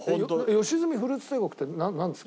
良純フルーツ帝国ってなんですか？